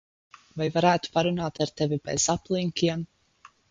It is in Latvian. Vai varētu parunāt ar tevi bez aplinkiem?